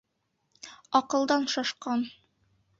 Аҡылдаш шашҡан!